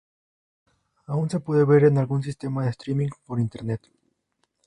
Aún se puede ver en algún sistema de streaming por Internet.